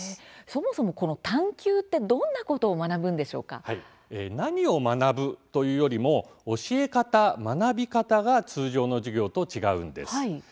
そもそも「探究」ってどんなことを何を学ぶというよりも教え方、学び方が通常の授業と違うんです。